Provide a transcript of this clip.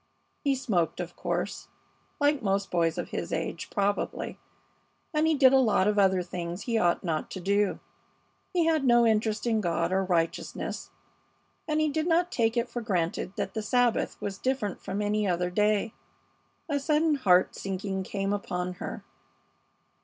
He smoked, of course, like most boys of his age, probably, and he did a lot of other things he ought not to do. He had no interest in God or righteousness, and he did not take it for granted that the Sabbath was different from any other day. A sudden heart sinking came upon her.